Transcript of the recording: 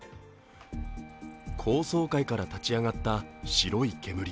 高層階から立ち上がった白い煙。